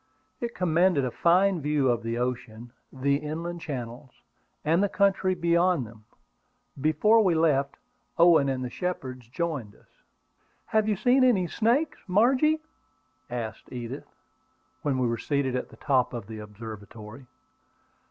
It commanded a fine view of the ocean, the inland channels, and the country beyond them. Before we left, Owen and the Shepards joined us. "Have you seen any snakes, Margie?" asked Edith, when they were seated at the top of the observatory.